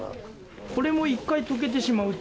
これも１回溶けてしまうと。